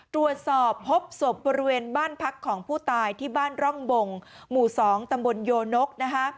ตรวจสอบพบศพบริเวณบ้านพักของผู้ตายที่บ้านร่องบงหมู่๒ตำบลโยนกนะคะ